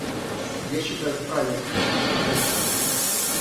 Я считаю вправе ответить на первый упрек.